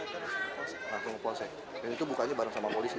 prt prt dan itu bukanya bareng sama polisi